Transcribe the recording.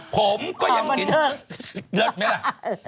ผมก็ยังอีกแล้วเลิกมั้ยล่ะวันนี้เลิก